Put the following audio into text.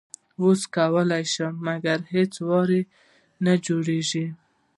وس کوي خو مګر هیڅ وار یې نه جوړیږي